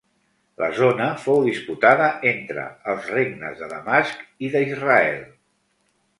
La zona fou disputada entre els regnes de Damasc i d'Israel.